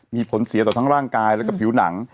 มีผลเสียต่อทั้งร่างกายแล้วก็ผิวหนัง